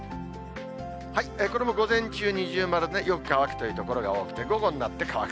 これも午前中二重丸で、よく乾くという所が多くて、午後になって乾く。